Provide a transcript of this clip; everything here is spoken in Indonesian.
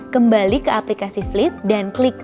kembali ke aplikasi flit dan klik